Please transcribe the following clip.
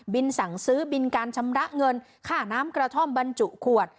สั่งซื้อบินการชำระเงินค่าน้ำกระท่อมบรรจุขวด